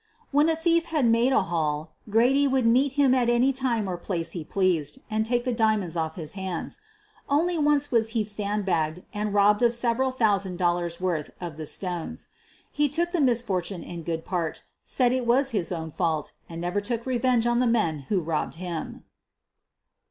When a thief had made a haul, Grady would meet him at any time or place he pleased and take the diamonds off his hands. Only once was he " sand bagged' ' and robbed of several thousand dollars worth of the stones. He took the misfortune in good part, said it was his own fault, and never took revenge on the men who robbed him.